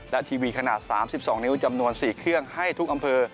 และทีวีขนาด๓๒นิ้วจำนวน๔เครื่องให้ทุกอำเภอ